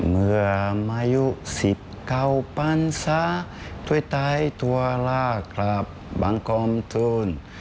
เมื่อมายุสิทธิ์เก่าปัญศาสตร์โดยใต้ตุลาครับบางคมทุน